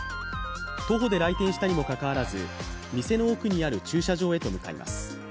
徒歩で来店したにもかかわらず店の奥にある駐車場へと向かいます。